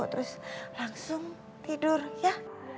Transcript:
terus langsung tidur ya